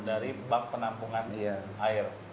jadi bank penampungan air